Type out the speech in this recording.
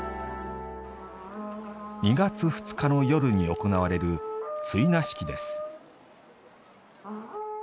２月２日の夜に行われる追儺式です。